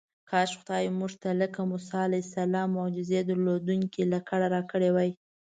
کاش خدای موږ ته لکه موسی علیه السلام معجزې درلودونکې لکړه راکړې وای.